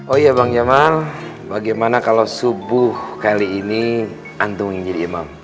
oh iya bang jamal bagaimana kalau subuh kali ini antungin jadi imam